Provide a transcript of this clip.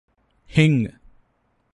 Hing